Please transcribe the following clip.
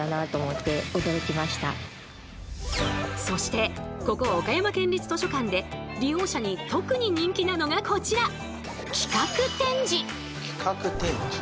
そしてここ岡山県立図書館で利用者に特に人気なのがこちら。